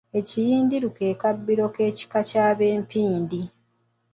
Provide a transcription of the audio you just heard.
Ekiyindiru ke kabbiro k’abekika ky’abempindi.